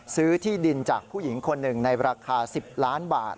ซื้อที่ดินจากผู้หญิงคนหนึ่งในราคา๑๐ล้านบาท